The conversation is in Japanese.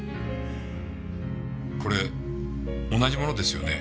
これ同じものですよね？